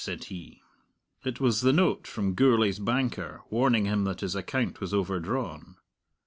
said he. It was the note from Gourlay's banker, warning him that his account was overdrawn.